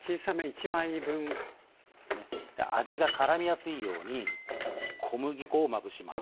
で味がからみやすいように小麦粉をまぶします。